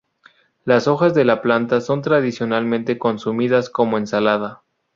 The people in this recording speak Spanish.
Las hojas de la planta son tradicionalmente consumidas como ensalada.